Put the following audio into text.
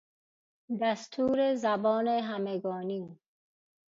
دستور زبان همگانی